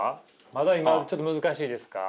まだ今ちょっと難しいですか？